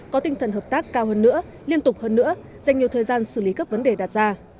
có tinh thần hợp tác cao hơn nữa liên tục hơn nữa dành nhiều thời gian xử lý các vấn đề đạt ra